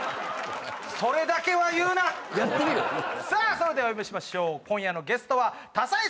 それではお呼びしましょう今夜のゲストは。